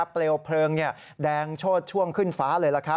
เปลวเพลิงแดงโชดช่วงขึ้นฟ้าเลย